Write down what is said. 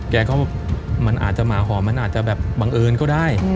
แกก็มันอาจจะหมาหอมมันอาจจะแบบบังเอิญก็ได้